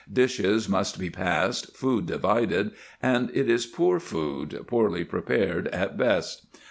Dishes must be passed, food divided, and it is poor food, poorly prepared at best.